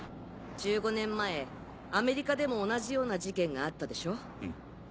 １５年前アメリカでも同じような事件があったでしょ？